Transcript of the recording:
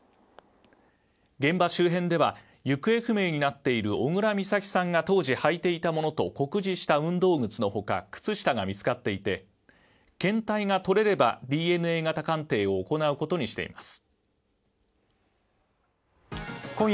現場周辺では、行方不明になっている小倉美咲さんが当時履いていたものと酷似した運動靴の他靴下が見つかっていて、検体が取れればＤＮＡ型鑑定を行うことにしています